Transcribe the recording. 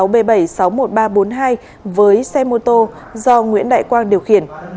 sáu b bảy trăm sáu mươi một nghìn ba trăm bốn mươi hai với xe mô tô do nguyễn đại quang điều khiển